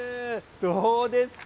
どうですか。